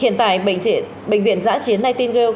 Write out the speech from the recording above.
hiện tại bệnh viện giã chiến đầu tiên được thái tử sars khai trương